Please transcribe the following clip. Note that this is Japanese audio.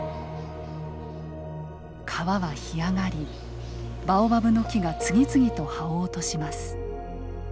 川は干上がりバオバブの木が次々と葉を落とします。